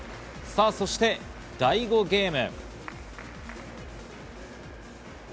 そして第５ゲーム。